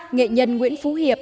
nghệ nhân nguyễn phú hiệp